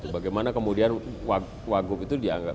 bagaimana kemudian wagub itu dianggap